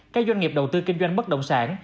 các doanh nghiệp đầu tư kinh doanh bất động sản